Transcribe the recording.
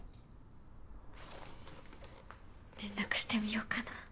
連絡してみようかな。